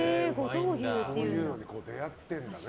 そういうのに出会ってるんだね。